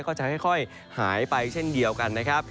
ก็จะค่อยหายไปเช่นเดียวกันนะครับ